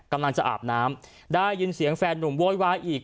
กำลังจะอาบน้ำได้ยินเสียงแฟนหนุ่มโวยวายอีก